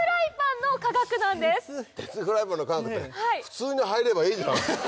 鉄フライパンの科学って普通に入ればいいじゃん。